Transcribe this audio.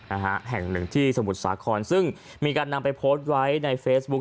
นะฮะแห่งหนึ่งที่สมุทรสาครซึ่งมีการนำไปโพสต์ไว้ในเฟซบุ๊ค